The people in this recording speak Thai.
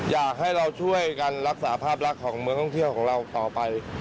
อยากให้เราช่วยกันรักษาภาพลักษณ์ของเมืองท่องเที่ยวของเราต่อไป